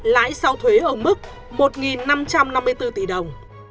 lãi sau thuế ở mức một năm trăm năm mươi bốn tỷ đồng